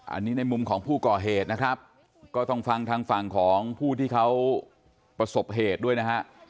อันนี้ในมุมของผู้ก่อเหตุนะครับก็ต้องฟังทางฝั่งของผู้ที่เขาประสบเหตุด้วยนะฮะ